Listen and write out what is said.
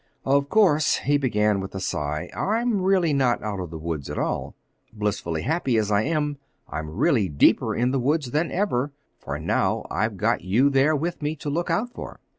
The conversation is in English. "Of course," he began with a sigh, "I'm really not out of the woods at all. Blissfully happy as I am, I'm really deeper in the woods than ever, for now I've got you there with me, to look out for.